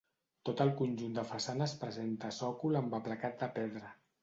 Tot el conjunt de façanes presenta sòcol amb aplacat de pedra.